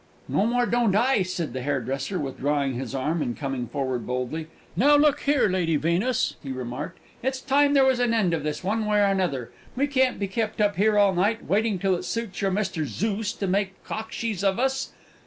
"] "No more don't I!" said the hairdresser, withdrawing his arm, and coming forward boldly. "Now look here, Lady Venus," he remarked, "it's time there was an end of this, one way or the other; we can't be kept up here all night, waiting till it suits your Mr. Zooce to make cockshies of us.